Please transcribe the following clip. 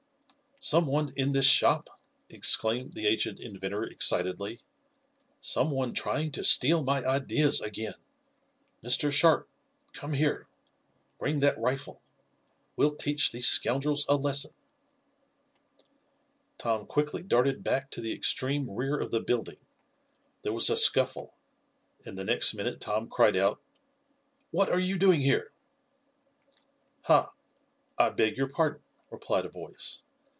"Some one in this shop!" exclaimed the aged inventor excitedly. "Some one trying to steal my ideas again! Mr. Sharp, come here! Bring that rifle! We'll teach these scoundrels a lesson!" Tom quickly darted back to the extreme rear of the building. There was a scuffle, and the next minute Tom cried out: "What are you doing here?" "Ha! I beg your pardon," replied a voice.